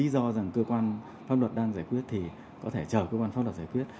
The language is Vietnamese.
do rằng cơ quan pháp luật đang giải quyết thì có thể chờ cơ quan pháp luật giải quyết